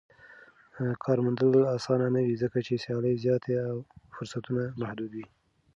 کار موندل اسانه نه وي ځکه چې سيالي زياته او فرصتونه محدود وي.